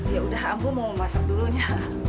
yaudah ambu mau masak dulunya